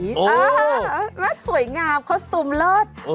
โอ้ยมาสวยงามคอสตุมเลิศ